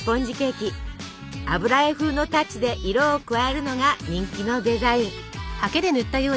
油絵風のタッチで色を加えるのが人気のデザイン。